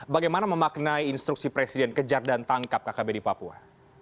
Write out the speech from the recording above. bagaimana memaknai instruksi presiden kejar dan tangkap kkb di papua